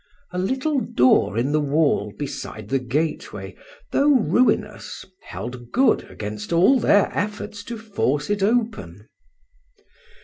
A little door in the wall beside the gateway, though ruinous, held good against all their efforts to force it open.